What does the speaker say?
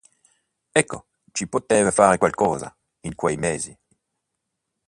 Ecco: si poteva fare qualcosa, in quei mesi.